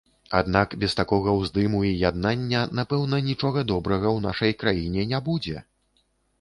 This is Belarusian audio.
Аднак без такога ўздыму і яднання, напэўна, нічога добрага ў нашай краіне не будзе?